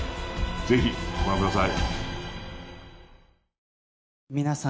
ぜひ、ご覧ください。